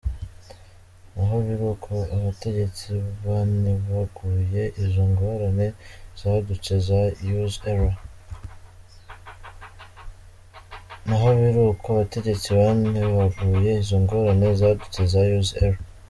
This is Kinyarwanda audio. N’aho biri uko, abategetsi banebaguye izo ngorane zadutse za ”Use error”.